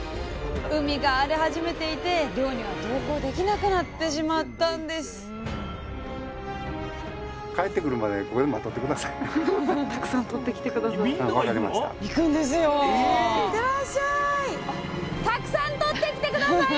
海が荒れ始めていて漁には同行できなくなってしまったんですいってらっしゃい！